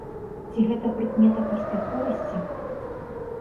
Ці гэта прыкмета паспяховасці?